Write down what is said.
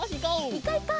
いこういこう！